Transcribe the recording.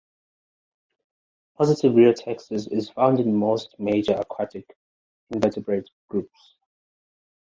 Positive rheotaxis is found in most major aquatic invertebrate groups.